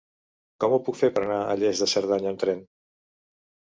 Com ho puc fer per anar a Lles de Cerdanya amb tren?